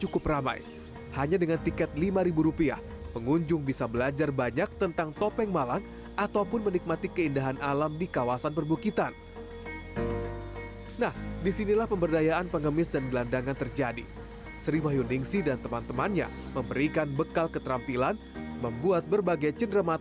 kampung topeng jawa timur